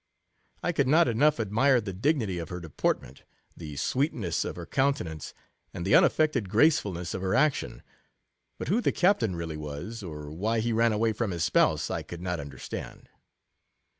I could not enough admire the dignity of her deportment, the sweetness of her coun tenance, and the unaffected gracefulness of her action ; but who the captain really was, or why he ran away from his spouse, I could not understand.